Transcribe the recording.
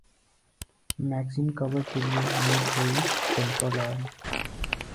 Magazine cover के लिए nude हुई जेनिफर लॉरेंस!